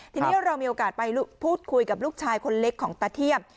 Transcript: ทีนี้เรามีโอกาสไปพูดคุยกับลูกชายคนเล็กของตาเทียบ